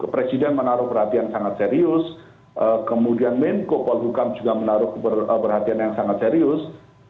presiden menaruh perhatian sangat serius kemudian menko polhukam juga menaruh perhatian yang sangat serius